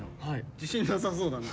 自信なさそうだな。